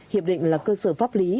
hiệp định là cơ sở pháp lý